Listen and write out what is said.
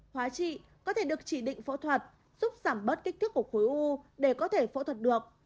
hóa trị có thể được chỉ định phẫu thuật giúp giảm bớt kích thước của khối u để có thể phẫu thuật được